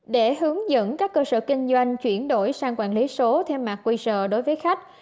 để hướng dẫn các cơ sở kinh doanh chuyển đổi sang quản lý số theo mạng quý rờ đối với khách